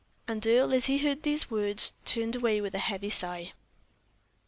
And Earle, as he heard these words, turned away with a heavy sigh.